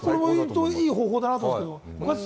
いい方法だと思うんです